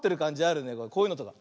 こういうのとか。